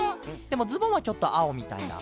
でもズボンはちょっとあおみたいな。